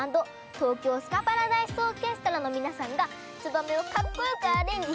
東京スカパラダイスオーケストラのみなさんが「ツバメ」をかっこよくアレンジしてくださいました！